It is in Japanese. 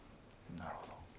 なるほど。